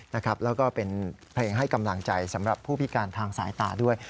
แล้วก็เป็นเพลงให้กำลังใจสำหรับผู้พิการทางสายตาด้วย